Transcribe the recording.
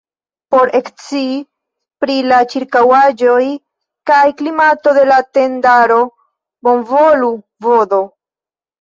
Por ekscii pri la ĉirkaŭaĵoj kaj klimato de la tendaro bonvolu vd.